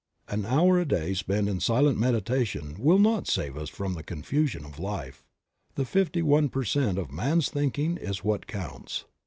An hour a day spent in silent meditation will not save us from the confusion of life ; the fifty one per cent, of a man's thinking is what counts.